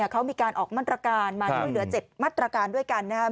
เขามีการออกมาตรการมาช่วยเหลือ๗มาตรการด้วยกันนะครับ